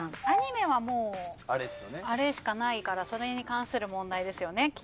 アニメはもうあれしかないからそれに関する問題ですよね。